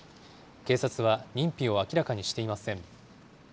警察は認否を明らかにしていません。